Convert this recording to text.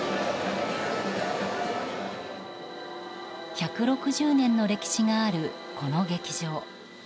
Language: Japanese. １６０年の歴史があるこの劇場。